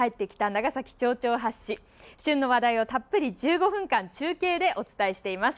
ながさき跳町発市」旬の話題をたっぷり１５分間中継でお伝えしています。